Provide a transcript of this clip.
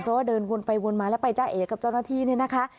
เพราะว่าเดินวนไปวนมาแล้วไปจ้าเอกับเจ้าหน้าที่เนี่ยนะคะ